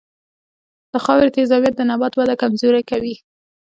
د خاورې تیزابیت د نبات وده کمزورې کوي.